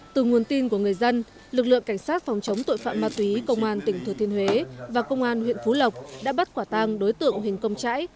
từ nguồn tin của người dân lực lượng cảnh sát phòng chống tội phạm ma túy công an tỉnh thừa thiên huế và công an huyện phú lộc đã bắt quả tang đối tượng huỳnh công trãi